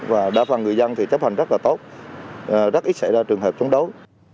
và đa phần người dân thì chấp hành rất là tốt rất ít xảy ra trường hợp chống đối